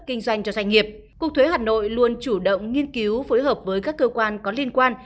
kinh doanh cho doanh nghiệp cục thuế hà nội luôn chủ động nghiên cứu phối hợp với các cơ quan có liên quan